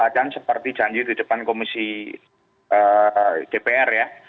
dan seperti janji di depan komisi jpr ya